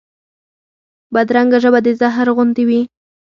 بدرنګه ژبه د زهر غوندې وي